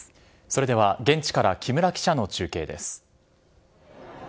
それでは、現地から木村記者の中継です。